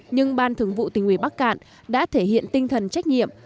nhưng ban thường vụ tỉnh ủy bắc cạn đã thể hiện tinh thần trách nhiệm